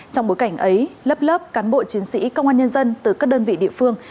trong bối cảnh ấy lớp lớp cán bộ chiến sĩ công an nhân dân từ các đơn vị địa phương